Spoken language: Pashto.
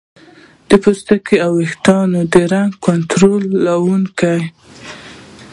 د پوستکي او ویښتانو د رنګ کنټرولونکو